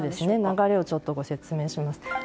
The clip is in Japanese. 流れを、ご説明します。